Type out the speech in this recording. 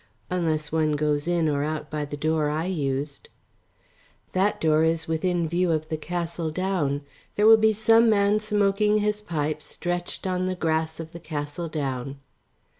"Unless one goes in or out by the door I used." "That door is within view of the Castle Down. There will be some man smoking his pipe, stretched on the grass of the Castle Down."